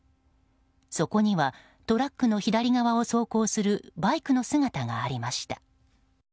そこには、トラックの左側を走行するバイクの姿がありました。